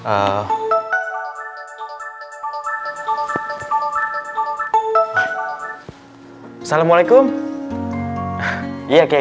assalamualaikum iya kay